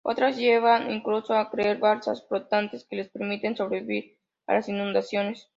Otras llegan incluso a crear balsas flotantes que les permiten sobrevivir a las inundaciones.